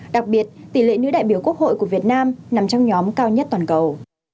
đặc biệt tỷ lệ nữ đại biểu quốc hội của việt nam nằm trong nhóm cao nhất toàn cầu